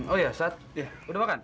oh ya saad udah makan